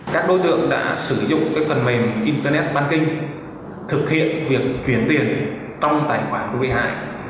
các đối tượng đã sử dụng phần mềm internet banking thực hiện việc chuyển tiền trong tài khoản của bị hại